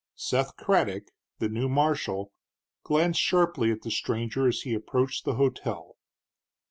Seth Craddock, the new marshal, glanced sharply at the stranger as he approached the hotel.